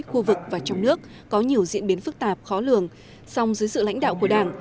khu vực và trong nước có nhiều diễn biến phức tạp khó lường song dưới sự lãnh đạo của đảng